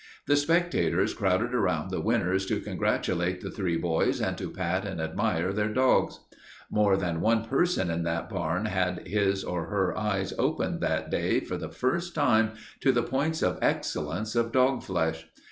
The spectators crowded around the winners to congratulate the three boys and to pat and admire their dogs. More than one person in that barn had his or her eyes opened that day for the first time to the points of excellence of dog flesh.